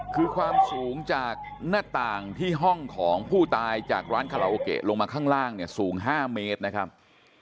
คือความสูงจากหน้าต่างที่ห้องของผู้ตายจากร้านคาราโอเกะลงมาข้างล่างเนี่ยสูง๕เมตรนะครับ